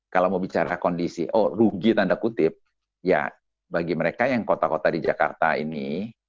kalau mau bicara kondisi oh rugi tanda kutip ya bagi mereka yang kota kota di jakarta ini